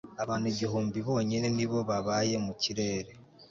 abantu igihumbi bonyine ni bo babaye mu kirere